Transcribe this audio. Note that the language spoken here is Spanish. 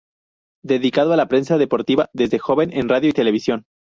Dedicado a la prensa deportiva desde joven en radio y televisión.